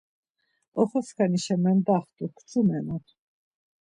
Oxoskanişa mendaxtu, kçumenan.